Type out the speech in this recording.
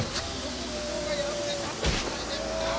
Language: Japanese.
こくじょうがやぶれちゃったじゃないですか！